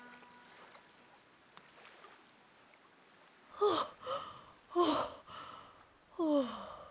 はあはあはあ。